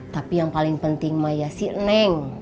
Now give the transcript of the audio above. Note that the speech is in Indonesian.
tapi yang paling penting mah ya si neng